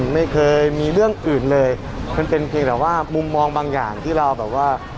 ไม่เคยมีเรื่องอื่นเลยมันเป็นเพียงแต่ว่ามุมมองบางอย่างที่เราแบบว่า